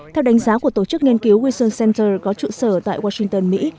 theo đánh giá của tổ chức nghiên cứu weston center có trụ sở tại washington mỹ